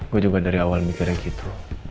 gue juga dari awal mikirnya gitu